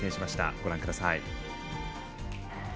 ご覧ください。